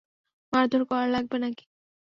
মারধর করা লাগবে নাকি?